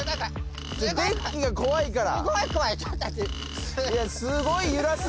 デッキが怖いから。